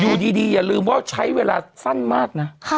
อยู่ดีอย่าลืมว่าใช้เวลาสั้นมากนะ